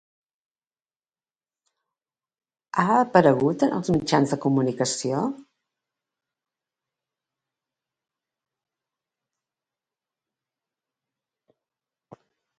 Ha aparegut als mitjans de comunicació?